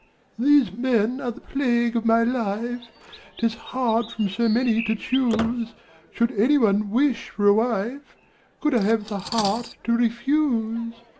These men are the plague of my life: 'Tis hard from so many to choose! Should any one wish for a wife, Could I have the heart to refuse?